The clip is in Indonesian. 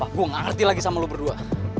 aku ngerti lagi sama lo berdua